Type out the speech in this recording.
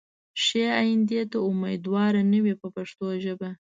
ښې ایندې ته امیدوار نه وي په پښتو ژبه.